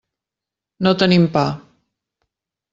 No tenim pa.